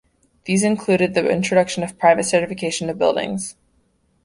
These included the introduction of private certification of buildings.